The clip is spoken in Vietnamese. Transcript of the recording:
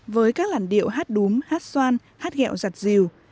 với các làn điệu hát đúm hát xoan hát gẹo giặt dìu